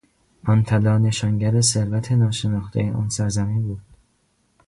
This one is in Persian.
آن طلا نشانگر ثروت ناشناختهی آن سرزمین بود.